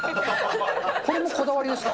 これもこだわりですか？